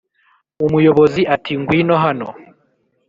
umuyobozi ati ngwino hano